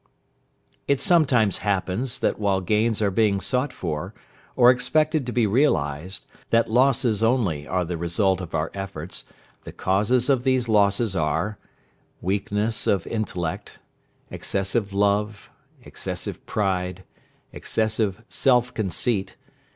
It sometimes happens that while gains are being sought for, or expected to be realised, that losses only are the result of our efforts, the causes of these losses are: Weakness of intellect. Excessive love. Excessive pride. Excessive self conceit.